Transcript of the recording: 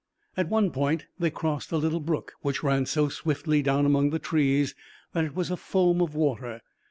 At one point they crossed a little brook which ran so swiftly down among the trees that it was a foam of water.